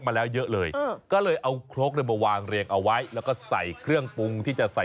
มาแล้วเยอะเลยก็เลยเอาครกมาวางเรียงเอาไว้แล้วก็ใส่เครื่องปรุงที่จะใส่